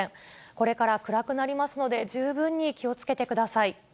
これから暗くなりますので、十分に気をつけてください。